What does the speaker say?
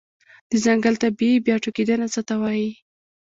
د ځنګل طبيعي بیا ټوکیدنه څه ته وایې؟